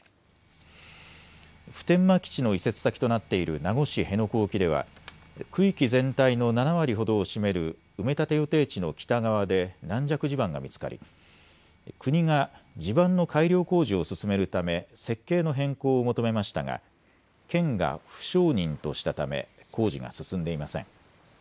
普天間基地の移設先となっている名護市辺野古沖では区域全体の７割ほどを占める埋め立て予定地の北側で軟弱地盤が見つかり国が地盤の改良工事を進めるため設計の変更を求めましたが県が不承認としたため工事が進んでいません。